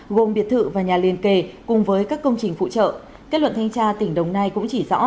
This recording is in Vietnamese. gồm biệt thự và nhà liên kề cùng với các công trình phụ trợ kết luận thanh tra tỉnh đồng nai cũng chỉ rõ